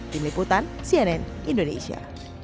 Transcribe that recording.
tim liputan cnn indonesia